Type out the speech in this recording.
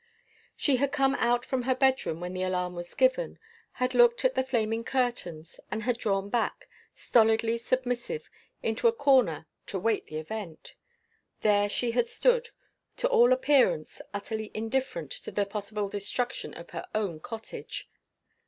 She had come out from her bedroom, when the alarm was given; had looked at the flaming curtains; and had drawn back, stolidly submissive, into a corner to wait the event. There she had stood to all appearance, utterly indifferent to the possible destruction of her own cottage.